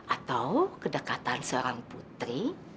atau kedekatan seorang putri